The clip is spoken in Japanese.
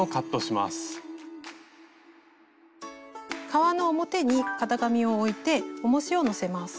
革の表に型紙を置いておもしをのせます。